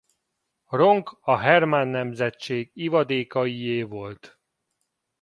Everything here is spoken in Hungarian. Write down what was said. Ronk a Hermán-nemzetség ivadékaié volt.